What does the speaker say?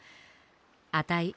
あたい